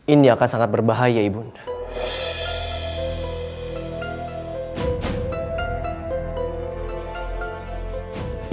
ini akan sangat berbahaya ibu nambet